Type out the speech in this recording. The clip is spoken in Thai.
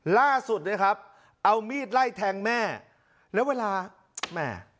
ล่าสุดนะครับเอามีดไล่แทงแม่แล้วเวลาแม่